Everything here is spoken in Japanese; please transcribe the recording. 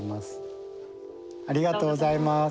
ありがとうございます。